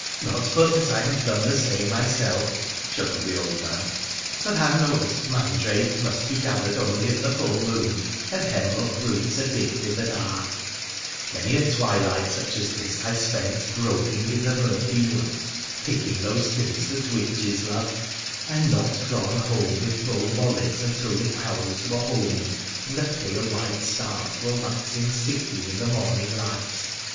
Not but that I have done the same myself,' chuckled the old man : 'for thou knowest mandrake must be gathered only at the full moon, and hemlock roots are digged i' the dark — many a twilight such as this I spent groping in the murky woods, picking those things that witches love — and not gone home with full wallet until the owls were homing and the pale white stars were waxing sickly in the morning light.